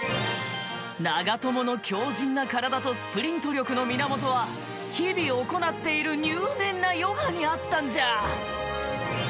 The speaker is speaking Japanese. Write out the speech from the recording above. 長友の強靱な体とスプリント力の源は日々行っている入念なヨガにあったんじゃ！